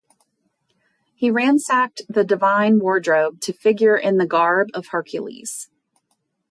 He ransacked the divine wardrobe to figure in the garb of Hercules.